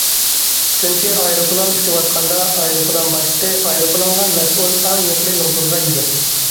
چۈنكى ئايروپىلان ئۇچۇۋاتقاندا ئايروپىلان باشلىقى ئايروپىلانغا مەسئۇل ئەڭ يۇقىرى نوپۇزغا ئىگە.